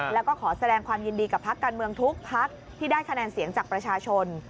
แล้วก็ขอแสดงความยินดีกับพักการเมืองทุกพักที่ได้คะแนนเสียงจากประชาชน